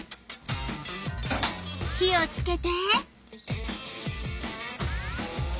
火をつけて。